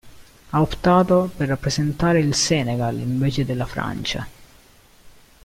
Ha optato per rappresentare il Senegal invece della Francia.